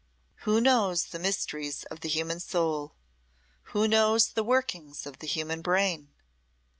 Who knows the mysteries of the human soul who knows the workings of the human brain?